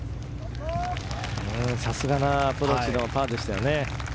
さすがなアプローチのパーでしたね。